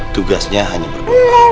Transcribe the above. tugasnya hanya berbuka